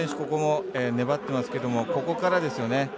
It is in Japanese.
ここも粘ってますけどここからですよね。